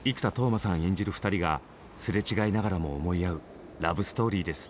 演じる２人がすれ違いながらも思い合うラブストーリーです。